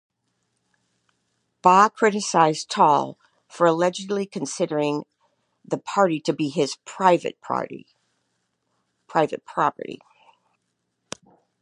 Bah criticized Tall for allegedly considering the party to be his "private property".